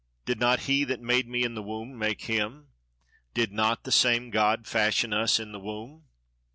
Did not he that made me in the womb make him? Did not the same God fashion us in the womb?"